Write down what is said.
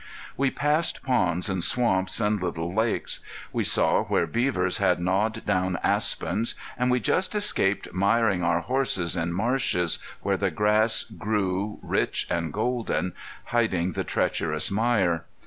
We passed ponds and swamps, and little lakes. We saw where beavers had gnawed down aspens, and we just escaped miring our horses in marshes, where the grass grew, rich and golden, hiding the treacherous mire.